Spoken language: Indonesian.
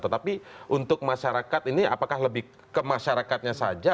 tetapi untuk masyarakat ini apakah lebih ke masyarakatnya saja